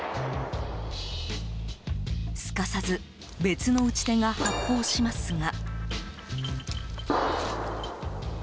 すかさず別の撃ち手が発砲しますが。